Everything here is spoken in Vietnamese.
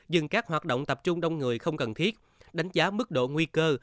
dừng các hoạt động tập trung đông người không cần thiết đánh giá mức độ nguy cơ